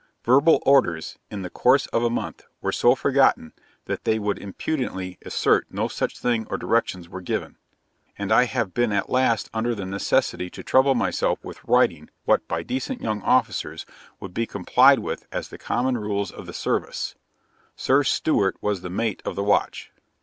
Verbal orders, in the course of a month, were so forgotten, that they would impudently assert no such thing or directions were given, and I have been at last under the necessity to trouble myself with writing, what, by decent young officers, would be complied with as the common rules of the service. Sir. Stewart was the mate of the watch.'